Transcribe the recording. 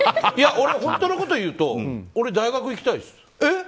本当のこと言うと俺、大学行きたいです。